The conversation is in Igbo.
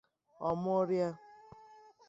ọ mụrịa.